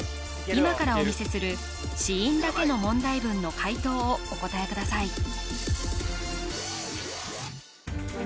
今からお見せする子音だけの問題文の解答をお答えください